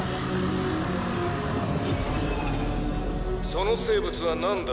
「その生物はなんだ？